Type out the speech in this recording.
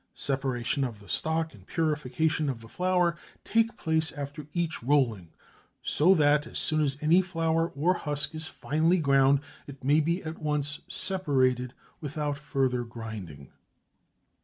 Separation of the stock and purification of the flour take place after each rolling, so that as soon as any flour or husk is finely ground it may be at once separated without further grinding.